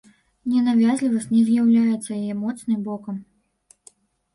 Ненавязлівасць не з'яўляецца яе моцнай бокам.